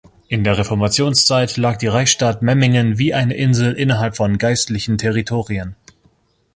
In der Reformationszeit lag die Reichsstadt Memmingen wie eine Insel innerhalb von geistlichen Territorien.